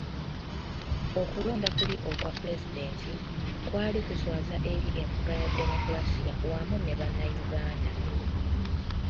Okulonda kuli okwa Pulezidenti, kwali kuswaza eri enfuga ya demokulaasiya wamu ne bannayuganda.